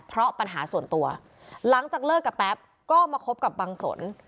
เพราะปัญหาส่วนตัวหลังจากเลิกกับแป๊บก็มาคบกับบังสน